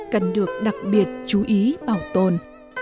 cần được đặc biệt chú ý bảo tồn